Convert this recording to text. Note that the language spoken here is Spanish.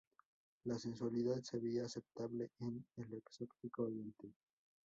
La sensualidad se veía aceptable en el exótico oriente.